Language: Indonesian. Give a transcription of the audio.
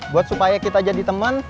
buat supaya kita jadi teman